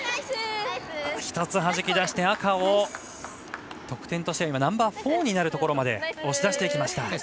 １つはじき出して、赤を得点としてはナンバーフォーになるところまで押し出していきました。